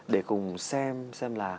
để cùng xem